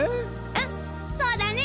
うんそうだね。